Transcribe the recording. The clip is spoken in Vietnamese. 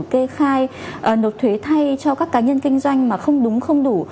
kê khai nộp thuế thay cho các cá nhân kinh doanh mà không đúng không đủ